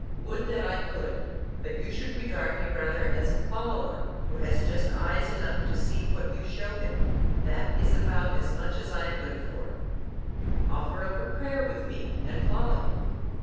Would that I could! but you should regard me rather as a follower who has just eyes enough to see what you show him—that is about as much as I am good for. Offer up a prayer with me and follow.